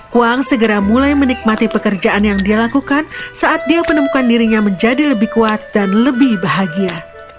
kuang segera mulai menikmati pekerjaan yang dia lakukan saat dia menemukan dirinya menjadi lebih kuat dan lebih bahagia